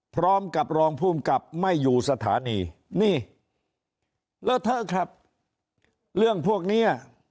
พร้อมกับรองภูมิกับไม่อยู่สถานีนี่เลอะเทอะครับเรื่องพวกเนี้ย